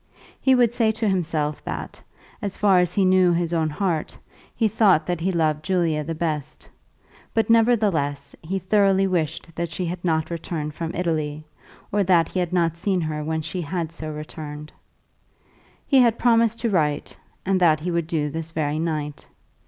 He would say to himself that, as far as he knew his own heart, he thought he loved Julia the best; but, nevertheless, he thoroughly wished that she had not returned from Italy, or that he had not seen her when she had so returned. He had promised to write, and that he would do this very night.